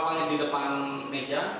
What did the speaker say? awalnya di depan meja